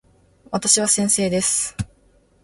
私は先生です。